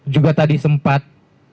juga tadi sempat